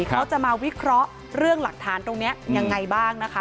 เขาจะมาวิเคราะห์เรื่องหลักฐานตรงนี้ยังไงบ้างนะคะ